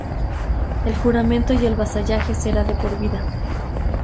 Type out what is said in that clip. El juramento y el vasallaje será de por vida.